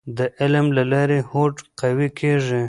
د علم له لارې هوډ قوي کیږي.